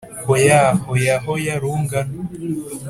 Hoya, hoya, hoya rungano,